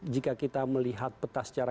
jika kita melihat peta secara